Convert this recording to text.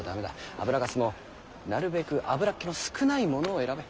油粕もなるべく油っ気の少ないものを選べ。